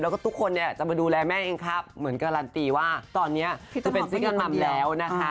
แล้วก็ทุกคนเนี่ยจะมาดูแลแม่เองครับเหมือนการันตีว่าตอนนี้จะเป็นซิกเกอร์มัมแล้วนะคะ